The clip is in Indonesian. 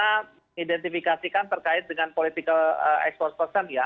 kita identifikasikan terkait dengan political export person ya